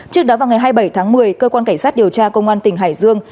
trước đó vào ngày hai mươi bảy tháng một mươi cơ quan cảnh sát điều tra công an tỉnh hải dương